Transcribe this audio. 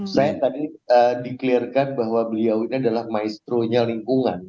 saya tadi di clearkan bahwa beliau ini adalah maestronya lingkungan